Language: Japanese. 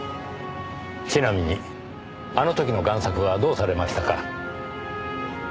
ちなみにあの時の贋作はどうされましたか？